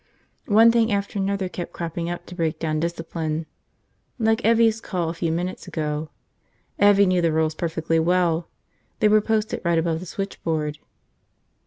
One thing after another kept cropping up to break down discipline. Like Evvie's call a few minutes ago. Evvie knew the rules perfectly well. They were posted right above the switchboard.